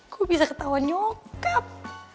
gue bisa ketahuan nyokap